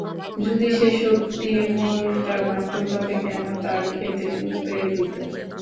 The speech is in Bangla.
যদি সে সত্যি ময়ূরটা মারত, তবে কেন তার ক্ষেতে পুঁতে দিত?